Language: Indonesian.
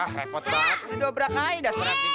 ah repot banget di dobrakai dah sering tidur di situ